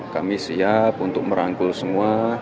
kami siap untuk merangkul semua